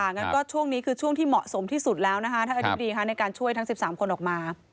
งั้นก็ช่วงนี้คือช่วงที่เหมาะสมที่สุดแล้วนะคะท่านอธิบดีในการช่วยทั้ง๑๓คนออกมา